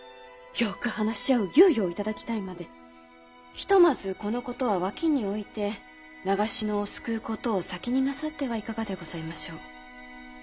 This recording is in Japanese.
ひとまずこのことは脇に置いて長篠を救うことを先になさってはいかがでございましょう。